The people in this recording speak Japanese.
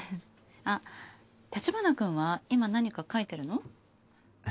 あっ橘くんは今何か描いてるの？